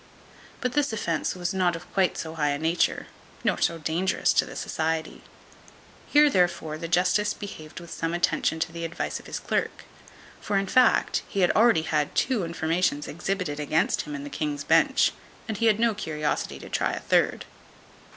But this offence was not of quite so high a nature, nor so dangerous to the society. Here, therefore, the justice behaved with some attention to the advice of his clerk; for, in fact, he had already had two informations exhibited against him in the King's Bench, and had no curiosity to try a third.